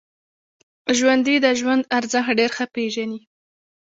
ژوندي د ژوند ارزښت ډېر ښه پېژني